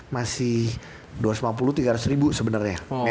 masih dua ratus lima puluh tiga ratus ribu sebenarnya